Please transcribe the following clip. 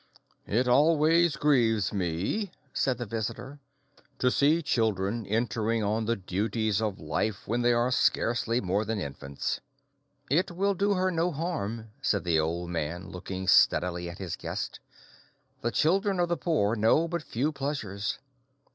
"It always grieves me," said the visitor, "to see children entering on the duties of life when they are scarcely more than infants." "It will do her no harm," said the old man, looking steadily at his guest. "The children of the poor know but few pleasures.